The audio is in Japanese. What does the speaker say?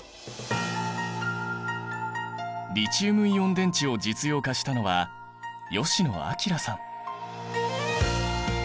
リチウムイオン電池を実用化したのは吉野彰さん。